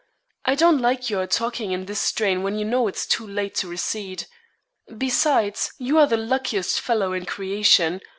I don't like your talking in this strain when you know it is too late to recede; besides, you are the luckiest fellow in creation.